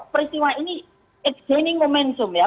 peristiwa ini it's gaining momentum ya